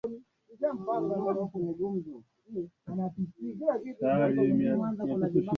Simama na sisi kwa kila juhudi.